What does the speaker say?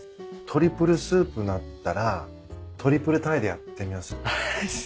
トリプルスープだったらトリプルタイでやってみます。